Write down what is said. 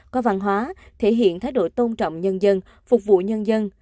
có văn hóa thể hiện thái độ tôn trọng nhân dân phục vụ nhân dân